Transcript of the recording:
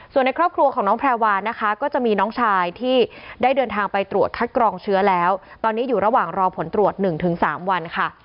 ส่วนในครอบครัวของน้องแพรวานะคะก็จะมีน้องชายที่ได้เดินทางไปตรวจคัดกรองเชื้อแล้วตอนนี้อยู่ระหว่างรอผลตรวจ๑๓วันค่ะ